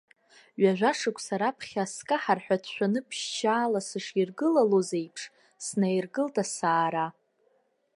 Ҩажәа шықәса раԥхьа скаҳар ҳәа дшәаны ԥшьшьала сыширгылалоз еиԥш, снаиргылт асаара.